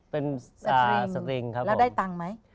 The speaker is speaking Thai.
เป็นสตริงครับแล้วได้ตังค์ไหม